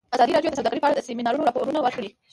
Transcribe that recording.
ازادي راډیو د سوداګري په اړه د سیمینارونو راپورونه ورکړي.